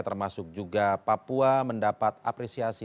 termasuk juga papua mendapat apresiasi